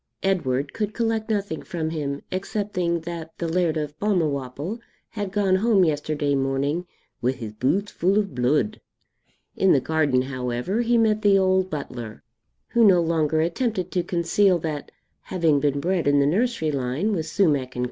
Edward could collect nothing from him, excepting that the Laird of Balmawhapple had gone home yesterday morning 'wi' his boots fu' o' bluid.' In the garden, however, he met the old butler, who no longer attempted to conceal that, having been bred in the nursery line with Sumack and Co.